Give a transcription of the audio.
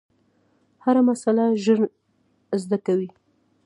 هره مسئله ژر زده کوي.